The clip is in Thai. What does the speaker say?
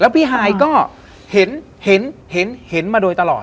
พี่ฮายก็เห็นมาโดยตลอด